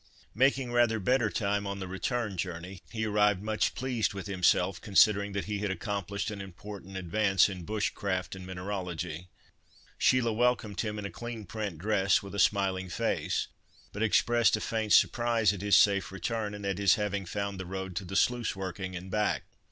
Making rather better time on the return journey, he arrived much pleased with himself, considering that he had accomplished an important advance in bush craft and mineralogy. Sheila welcomed him in a clean print dress, with a smiling face, but expressed a faint surprise at his safe return, and at his having found the road to the sluice working, and back.